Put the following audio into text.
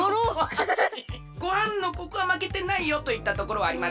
ごはんのここはまけてないよといったところはありますか？